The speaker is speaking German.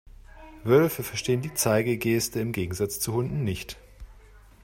Wölfe verstehen die Zeigegeste im Gegensatz zu Hunden nicht.